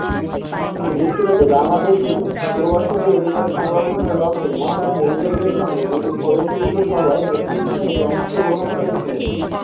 তিনি যুক্তরাজ্যে বাংলাদেশি প্রবাসীদের অধিকার সংরক্ষণের লক্ষ্যে মহারাণী এলিজাবেথের সঙ্গে দুটি ফলপ্রসূ সভায় নেতৃস্থানীয় অংশ গ্রহণকারী ছিলেন।